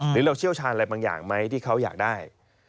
หรือเราเชี่ยวชาญอะไรบางอย่างไหมที่เขาอยากได้